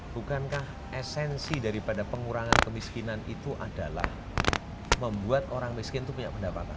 bukankah esensi daripada pengurangan kemiskinan itu adalah membuat orang miskin itu punya pendapatan